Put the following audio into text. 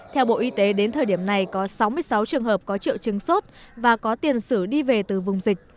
theo bộ y tế đến thời điểm này có sáu mươi sáu trường hợp có triệu chứng sốt và có tiền sử đi về từ vùng dịch